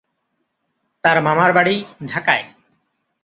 তার মামার বাড়ি ঢাকায়।